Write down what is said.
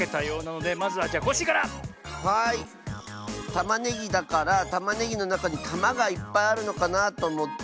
たまねぎだからたまねぎのなかにたまがいっぱいあるのかなとおもって。